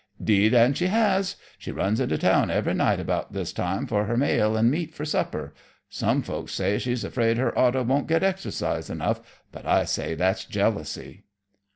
"'Deed an' she has! She runs into town every night about this time for her mail and meat for supper. Some folks say she's afraid her auto won't get exercise enough, but I say that's jealousy."